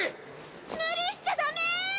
無理しちゃだめ！